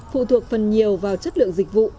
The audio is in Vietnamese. phụ thuộc phần nhiều vào chất lượng dịch vụ